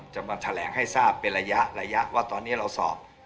จะมาแถลงให้ทราบเป็นระยะระยะว่าตอนนี้เราสอบ